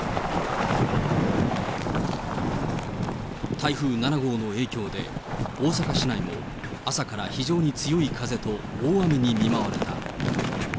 台風７号の影響で、大阪市内も朝から非常に強い風と大雨に見舞われた。